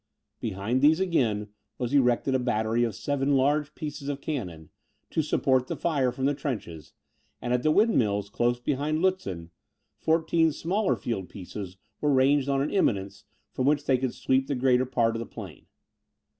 Behind these, again, was erected a battery of seven large pieces of cannon, to support the fire from the trenches; and at the windmills, close behind Lutzen, fourteen smaller field pieces were ranged on an eminence, from which they could sweep the greater part of the plain.